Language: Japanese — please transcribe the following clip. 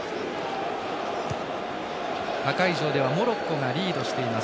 他会場ではモロッコがリードしています。